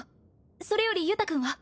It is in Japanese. それより由太君は？